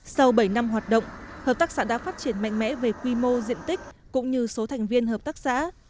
sau bảy năm hoạt động hợp tác xã đã phát triển mạnh mẽ về quy mô diện tích cũng như số thành viên hợp tác xã